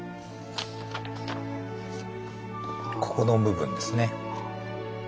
ここの部分ですね。